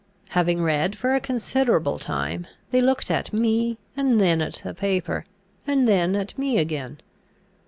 Having read for a considerable time, they looked at me, and then at the paper, and then at me again.